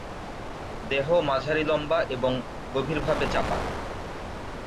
দেহ মাঝারি লম্বা এবং গভীরভাবে চাপা।